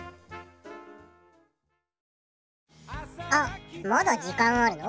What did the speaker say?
あっまだ時間あるの？